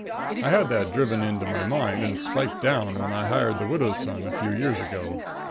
I had that driven into my mind and spiked down when I hired the widow's son a few years ago.